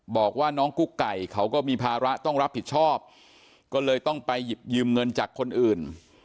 บอกว่าน้องกุ๊กไก่เขาก็มีภาระต้องรับผิดชอบก็เลยต้องไปหยิบยืมเงินจากคนอื่น